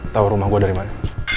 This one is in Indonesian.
tahu rumah gue dari mana